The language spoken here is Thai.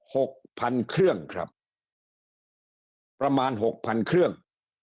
หกพันเครื่องครับประมาณหกพันเครื่อง